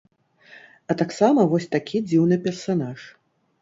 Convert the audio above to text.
А таксама вось такі дзіўны персанаж.